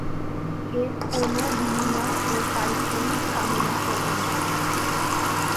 এর কোন বিনিময় ও পারিশ্রমিক কামনা করেন না।